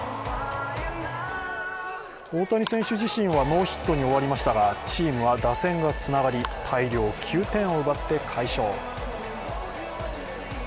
大谷選手自身はノーヒットに終わりましたが、チームは打線がつながり、大量９点を奪って快勝。